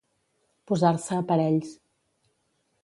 Posar-se a parells.